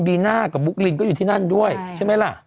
น่ากับบุ๊กลินก็อยู่ที่นั่นด้วยใช่ไหมล่ะ